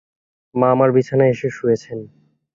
মা আমার বিছানায় এসে শুয়েছেন।